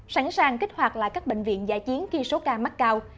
sẵn sàng kích hoạt lại các bệnh viện giả chiến khi số ca mắc cao